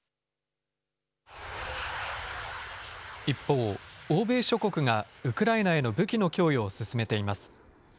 一方、欧米諸国がウクライナへの武器の供与を進めています。